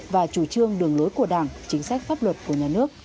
và chủ trương đường lối của đảng chính sách pháp luật của nhà nước